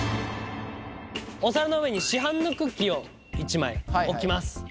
お皿の上に市販のクッキーを１枚置きます。